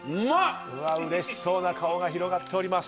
うれしそうな顔が広がっております。